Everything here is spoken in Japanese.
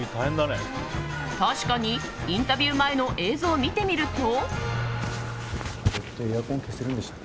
確かにインタビュー前の映像を見てみると。